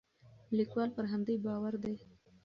لیکوال پر همدې باور دی.